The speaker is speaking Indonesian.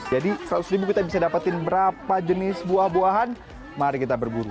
jadi kalau rp seratus kita bisa dapatkan berapa jenis buah buahan mari kita berburu